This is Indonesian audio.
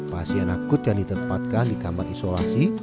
pasien akut yang ditempatkan di kamar isolasi